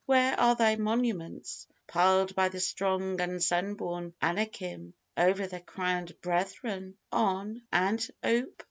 Where are thy monuments Piled by the strong and sunborn Anakim Over their crowned brethren [Greek: ON] and [Greek: ORÊ]?